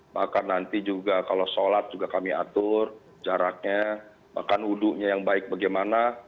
bahkan nanti juga kalau sholat juga kami atur jaraknya bahkan wudhunya yang baik bagaimana